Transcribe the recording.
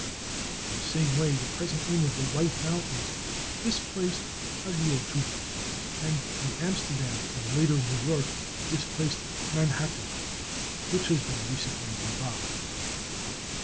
In the same way the present name of the /White Mountains/ displaced /Agiochook/, and /New Amsterdam/, and later /New York/, displaced /Manhattan/, which has been recently revived.